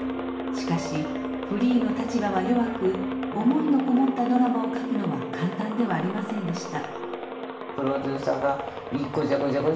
しかしフリーの立場は弱く思いのこもったドラマを書くのは簡単ではありませんでした。